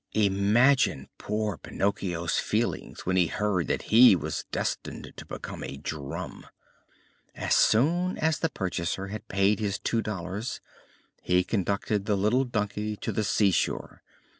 Imagine poor Pinocchio's feelings when he heard that he was destined to become a drum! As soon as the purchaser had paid his two dollars he conducted the little donkey to the seashore.